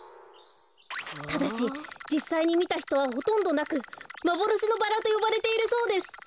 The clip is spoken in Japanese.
ただしじっさいにみたひとはほとんどなく「まぼろしのバラ」とよばれているそうです。